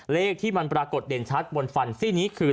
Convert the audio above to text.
เลขที่มันปรากฏแบ่งชัดขึ้นบนฟันซีรนี้คือ